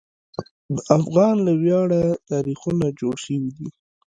د افغان له ویاړه تاریخونه جوړ شوي دي.